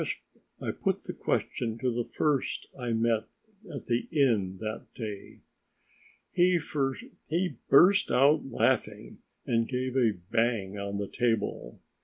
I put the question to the first I met at the inn that day. He burst out laughing and gave a bang on the table.